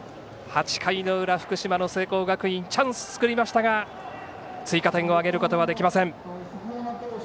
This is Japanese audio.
８回の裏、福島の聖光学院チャンス作りましたが追加点を挙げることはできません。